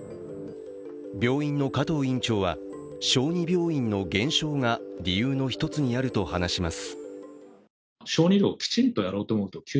病院の加藤院長は小児病院の減少が理由の一つにあると話します。